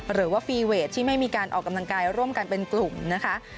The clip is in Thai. หรือว่าฟีเวทที่ไม่มีการออกกำลังกายร่วมกันเป็นกลุ่มนะคะ